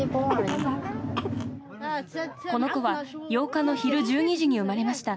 この子は８日の昼１２時に産まれました。